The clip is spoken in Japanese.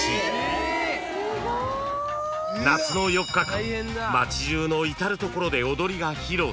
［夏の４日間街じゅうの至る所で踊りが披露され］